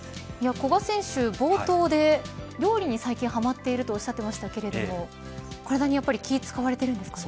古賀選手、冒頭で料理に最近はまっているとおっしゃっていましたけど体に気を使われてるんですかね。